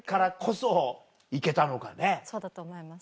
そうだと思います。